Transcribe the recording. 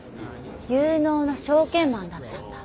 有能な証券マンだったんだ。